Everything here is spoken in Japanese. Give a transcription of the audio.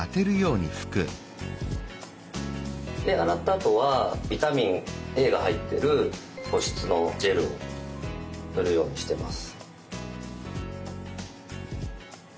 で洗ったあとはビタミンＡが入ってる保湿のジェルを塗るようにしてます。